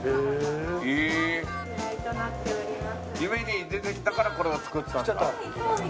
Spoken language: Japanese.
夢に出てきたからこれを作っちゃった？